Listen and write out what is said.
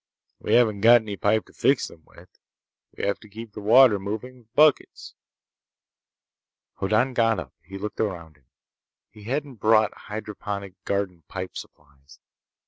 We haven't got any pipe to fix them with. We have to keep the water moving with buckets." Hoddan got up. He looked about him. He hadn't brought hydroponic garden pipe supplies!